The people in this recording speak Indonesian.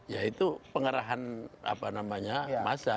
yaitu pengarahan masa